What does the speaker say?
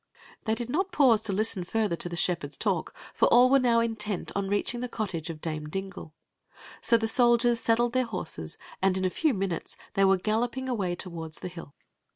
They did not pause to listai further to ik^ ^iq> herd's talk, for all were now intoit cm readiing tim cotcage of Dame Dingle. So the soldiers saddled the horses, and in a few minutes they were galloping away toward the hill.